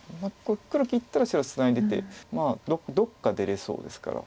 黒切ったら白ツナいでてどっか出れそうですから。